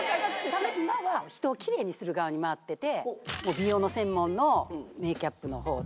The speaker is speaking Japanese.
ただ今は人を奇麗にする側に回ってて美容の専門のメーキャップの方で。